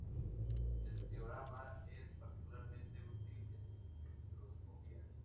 El teorema es particularmente útil en espectroscopia.